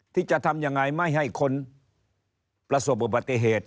ที่จะทำยังไงไม่ให้คนประสบอุบัติเหตุ